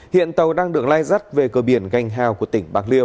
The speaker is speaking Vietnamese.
hiện tàu đang được lai dắt về cơ biển ganh hào của tỉnh bạc liêu